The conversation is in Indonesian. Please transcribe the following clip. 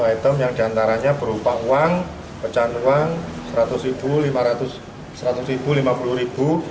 empat puluh satu item yang diantaranya berupa uang pecahan uang rp seratus rp lima puluh